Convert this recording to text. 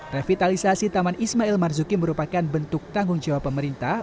revitalisasi taman ismail marzuki merupakan bentuk tanggung jawab pemerintah